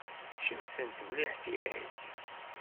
Cemtent mliḥ tira-k.